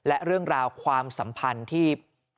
และเรื่องราวความสัมพันธ์ที่